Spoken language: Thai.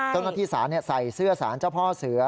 เจ้าหน้าที่ศาลใส่เสื้อสารเจ้าพ่อเสือ